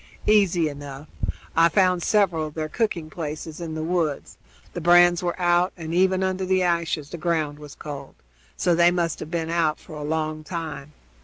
"Easy enough. I found several of their cooking places in the woods; the brands were out, and even under the ashes the ground was cold, so they must have been out for a long time.